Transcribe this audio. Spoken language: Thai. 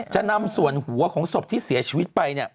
จะนำส่วนหัวของศพที่เสียชีวิตไป